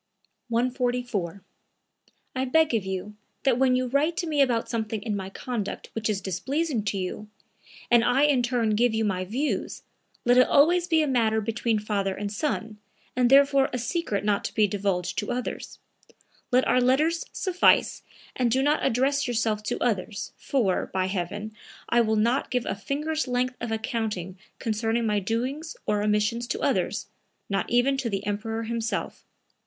144. "I beg of you that when you write to me about something in my conduct which is displeasing to you, and I in turn give you my views, let it always be a matter between father and son, and therefore a secret not to be divulged to others. Let our letters suffice and do not address yourself to others, for, by heaven, I will not give a finger's length of accounting concerning my doings or omissions to others, not even to the Emperor himself.